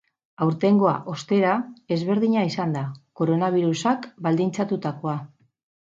Aurtengoa, ostera, ezberdina izan da, koronabirusak baldintzatutakoa.